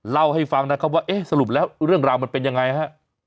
เล่าให้ฟังนะครับว่าเอ๊ะสรุปแล้วเรื่องราวมันเป็นยังไงฮะ